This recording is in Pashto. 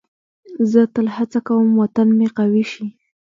زه تل هڅه کوم وطن مې قوي شي.